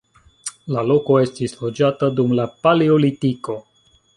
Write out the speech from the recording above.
La loko estis loĝata dum la paleolitiko.